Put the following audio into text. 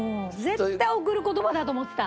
絶対『贈る言葉』だと思ってた。